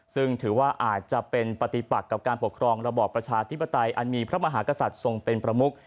ซึ่งถือว่าอาจจะเป็นปฏิปักกับการปกครองระบอบประชาธิปไตยอันมีพระมหากษัตริย์ทรงเป็นประมุก